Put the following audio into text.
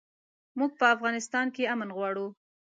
موږ په افغانستان کښې امن غواړو